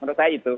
menurut saya itu